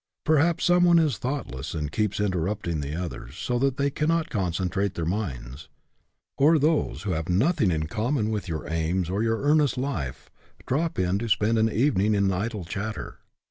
Perhaps someone is thoughtless and keeps interrupting the others so that they cannot concentrate their minds; or those who have nothing in common with your aims or your earnest life drop in to spend an evening in idle chatter.